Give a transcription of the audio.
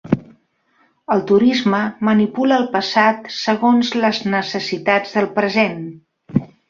El turisme manipula el passat segons les necessitats del present.